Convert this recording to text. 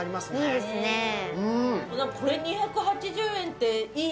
これ２８０円って、いい。